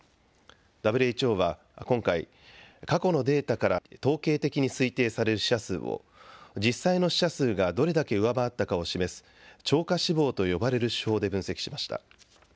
ＷＨＯは今回、過去のデータから統計的に推定される死者数を実際の死者数がどれだけ上回ったかを示す超過死亡と呼ばれる手法で分析しました。